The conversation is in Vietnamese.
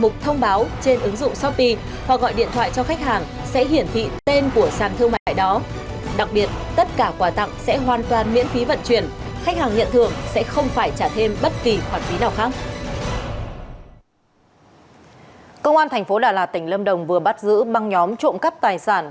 công an thành phố đà lạt tỉnh lâm đồng vừa bắt giữ băng nhóm trộm cắp tài sản